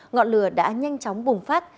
ngọn lửa đã nhanh chóng bùng phát